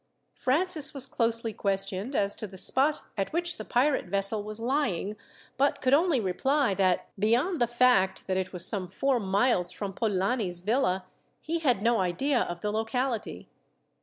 Francis was closely questioned as to the spot at which the pirate vessel was lying, but could only reply that, beyond the fact that it was some four miles from Polani's villa, he had no idea of the locality.